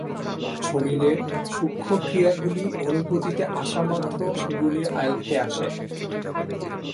শরীরের সূক্ষ্ম ক্রিয়াগুলি অনুভূতিতে আসামাত্র সেগুলি আয়ত্তে আসে।